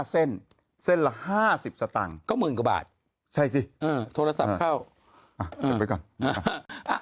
๕เส้นเส้นละ๕๐สตางค์ก็หมื่นกว่าบาทใช่สิโทรศัพท์เข้า